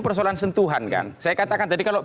persoalan sentuhan kan saya katakan tadi kalau